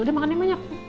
udah makannya banyak